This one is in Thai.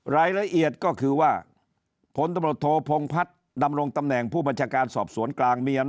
รายละเอียดก็คือว่าพศพงภัฏดำรงตำแหน่งผู้มจการสอบสวนกลาง